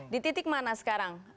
di titik mana sekarang